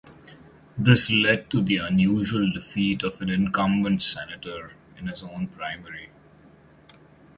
This led to the unusual defeat of an incumbent Senator in his own primary.